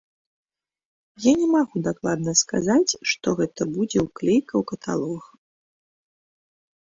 Я не магу дакладна сказаць, што гэта будзе ўклейка ў каталог.